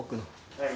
はい。